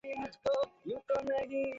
গাছগুলোয় আগুন লেগেছে।